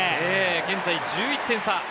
現在１１点差。